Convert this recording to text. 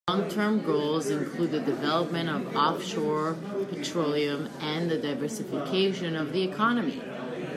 Long-term goals include the development of off-shore petroleum and the diversification of the economy.